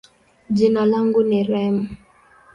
jina langu ni Reem.